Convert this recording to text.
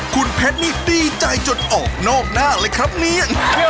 คุณเพชรนี่ดีใจจนออกนอกหน้าเลยครับเนี่ย